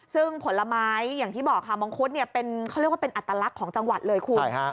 ซึ่งผลไม้อย่างที่บอกค่ะมังคุดเนี่ยเป็นเขาเรียกว่าเป็นอัตลักษณ์ของจังหวัดเลยคุณ